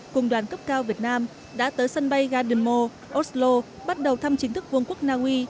cùng đoàn cấp cao việt nam đã tới sân bay gadomo oslo bắt đầu thăm chính thức quân quốc naui